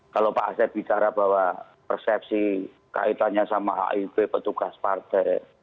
kalau pak asep bicara bahwa persepsi kaitannya sama hiv petugas partai